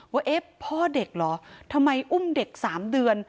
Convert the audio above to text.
ว่าเอ๊ะพ่อเด็กเหรอทำไมอุ้มเด็ก๓เดือน